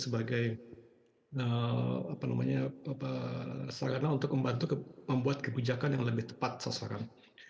sebagai sarana untuk membantu membuat kebijakan yang lebih tepat sasaran